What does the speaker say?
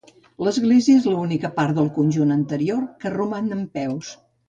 L'església és l'única part del conjunt anterior que roman en peus.